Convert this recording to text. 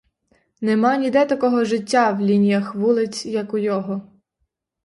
Нема ніде такого життя в лініях вулиць, як у його.